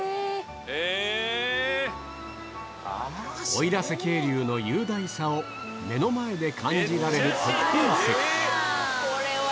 奥入瀬渓流の雄大さを目の前で感じられる特等席